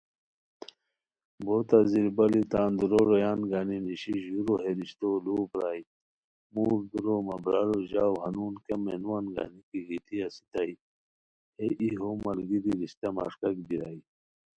بوتہ زیربالی تان دُورو رویان گنی نیشی، ژورو ہے رشتو لُوؤ پرائے، موڑ دُورو مہ برارؤ ژاؤ ہنون کیہ مینووان گنی کی گیتی اسیتائے ہے ای ہو ملگیری رشتہ مݰکاک بیرائے